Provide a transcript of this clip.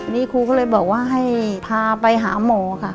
นี่ครูก็เลยบอกว่าให้พาไปหาหมอค่ะ